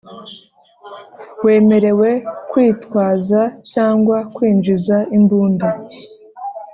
wemerewe kwitwaza cyangwa kwinjiza imbunda